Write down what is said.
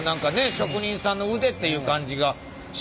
職人さんの腕っていう感じがしないんですけどね。